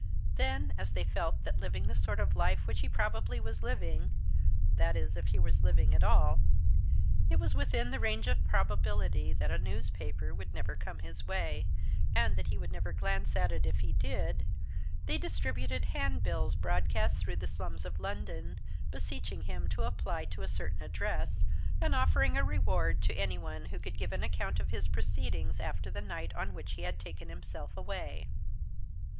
Then, as they felt that living the sort of life which he probably was living that is, if he was living at all it was within the range of probability that a newspaper would never come his way, and that he would never glance at it if it did, they distributed handbills broadcast through the slums of London, beseeching him to apply to a certain address, and offering a reward to any one who could give an account of his proceedings after the night on which he had taken himself away.